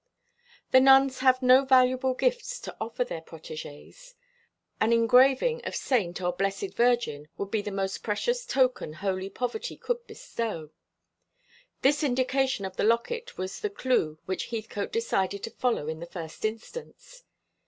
The nuns have no valuable gifts to offer their protégées. An engraving of Saint or Blessed Virgin would be the most precious token holy poverty could bestow. This indication of the locket was the clue which Heathcote decided to follow in the first instance.